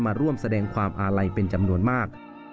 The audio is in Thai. มาร่วมแสดงความอาลัยเป็นจำนวนมาก